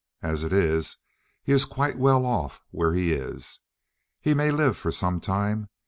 As it is he is quite well off where he is. He may live for some time.